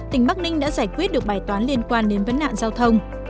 tỉnh bắc ninh đã giải quyết được bài toán liên quan đến vấn nạn giao thông